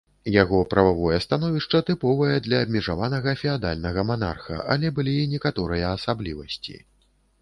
Яго прававое становішча тыповае для абмежаванага феадальнага манарха, але былі і некаторыя асаблівасці.